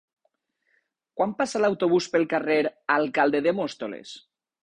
Quan passa l'autobús pel carrer Alcalde de Móstoles?